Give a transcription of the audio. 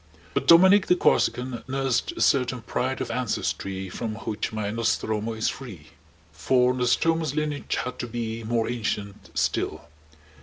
But Dominic the Corsican nursed a certain pride of ancestry from which my Nostromo is free; for Nostromo's lineage had to be more ancient still.